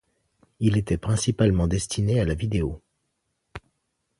Il était principalement destiné à la vidéo.